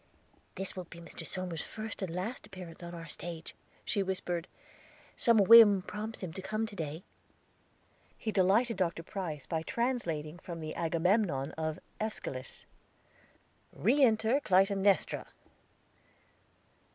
"This will be Mr. Somers's first and last appearance on our stage," she whispered; "some whim prompts him to come to day." He delighted Dr. Price by translating from the Agamemnon of Æschylus. "Re enter Clytemnestra."